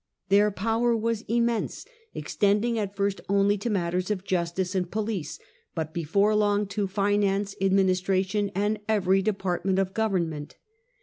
Their power was immense, extending at first only to matters of justice and police, but before long to finance, taxation, and every department of government.